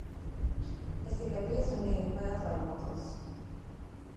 Es tikai piezvanīju, lai atvainotos.